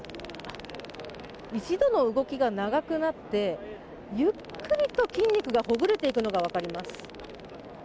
一度の動きが長くなってゆっくりと筋肉がほぐれていくのが分かります。